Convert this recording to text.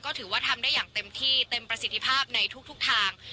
ก็ถือว่าทำได้อย่างเต็มที่เต็มประสิทธิภาพในทุกทาง